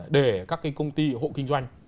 để các cái công ty hộ kinh doanh